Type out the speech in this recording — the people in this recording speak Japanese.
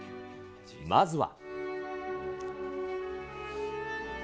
まずは。